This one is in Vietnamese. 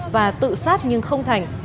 và tự sát nhưng không thành